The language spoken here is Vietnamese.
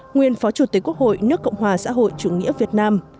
nguyên phó chủ tịch quốc hội nước cộng hòa xã hội chủ nghĩa việt nam